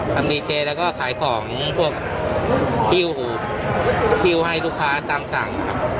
ทำดีเจแล้วก็ขายของพวกฮิ้วหิ้วให้ลูกค้าตามสั่งนะครับ